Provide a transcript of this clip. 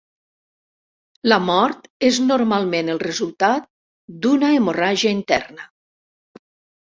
La mort és normalment el resultat d’una hemorràgia interna.